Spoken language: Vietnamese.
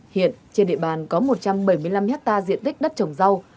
hiện trên địa bàn có một trăm bảy mươi năm hectare diện tích đất trồng rau